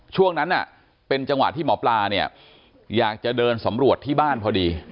ช่วงนั้นเป็นจังหวะที่หมอปลาเนี่ยอยากจะเดินสำรวจที่บ้านพอดี